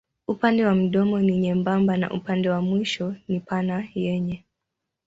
Upande wa mdomo ni nyembamba na upande wa mwisho ni pana yenye.